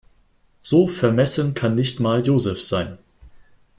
So vermessen kann nicht mal Joseph sein.